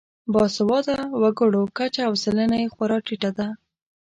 باسواده وګړو کچه او سلنه یې خورا ټیټه ده.